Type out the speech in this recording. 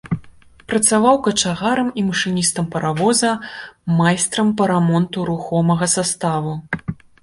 Працаваў качагарам і машыністам паравоза, майстрам па рамонту рухомага саставу.